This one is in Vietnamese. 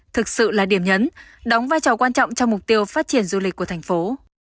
thực sự là điểm nhấn đóng vai trò quan trọng cho mục tiêu phát triển du lịch của thành phố